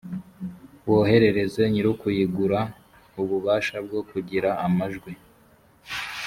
woherereze nyir’ukuyigura ububasha bwo kugira amajwi